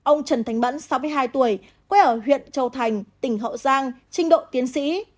ông trần thành mẫn sáu mươi hai tuổi quê ở huyện châu thành tỉnh hậu giang trình độ tiến sĩ